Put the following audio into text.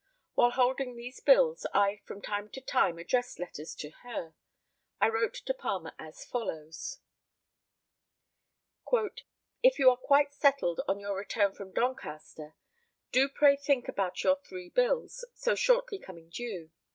While holding these bills I from time to time addressed letters to her. I wrote to Palmer as follows: "If you are quite settled on your return from Doncaster, do pray think about your three bills, so shortly coming due.